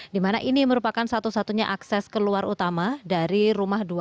di mana ini merupakan satu satunya akses keluar utama dari rumah dua